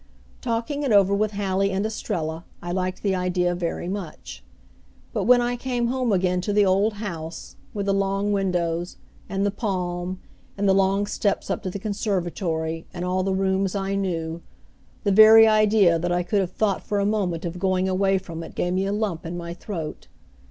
Talking it over with Hallie and Estrella I liked the idea very much. But when I came home again to the old house, with the long windows, and the palm, and the long steps up to the conservatory, and all the rooms I knew, the very idea that I could have thought for a moment of going away from it gave me a lump in my throat.